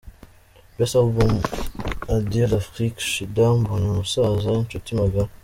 Best Album: A Dieu l’afrique shida, Mbonye umusaza, Inshuti magara.